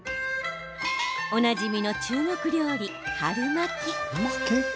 おなじみの中国料理、春巻き。